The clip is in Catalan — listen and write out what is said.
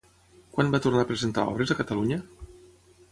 Quan va tornar a presentar obres a Catalunya?